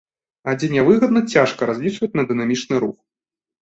А дзе нявыгадна, цяжка разлічваць на дынамічны рух.